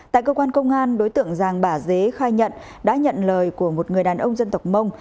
tại cơ quan công an đối tượng giàng bả dế khai nhận đã nhận lời của một người đàn ông dân tộc mông